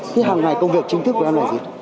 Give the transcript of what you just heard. thế hàng ngày công việc chính thức của em là gì